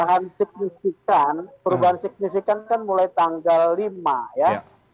perubahan signifikan perubahan signifikan kan mulai tanggal lima ya